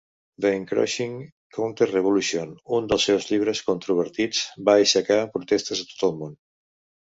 "The encroaching counter revolution", un dels seus llibres controvertits, va aixecar protestes a tot el món.